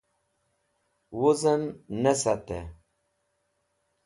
Wuzẽm ne satẽ